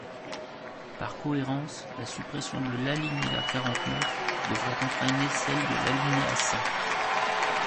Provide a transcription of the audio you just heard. Par cohérence, la suppression de l’alinéa quarante-neuf devrait entraîner celle de l’alinéa cent.